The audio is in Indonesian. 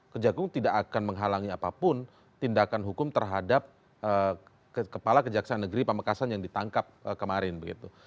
kejagung tidak akan menghalangi apapun tindakan hukum terhadap kepala kejaksaan negeri pamekasan yang ditangkap kemarin begitu